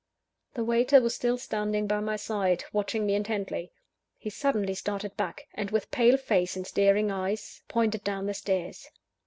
The waiter was still standing by my side, watching me intently. He suddenly started back; and, with pale face and staring eyes, pointed down the stairs.